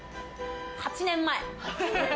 ８年前。